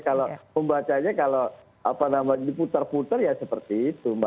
kalau membacanya kalau diputar putar ya seperti itu